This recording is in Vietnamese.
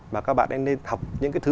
mà các bạn ấy nên học những cái thứ